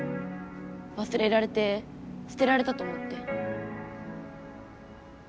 わすれられてすてられたと思って。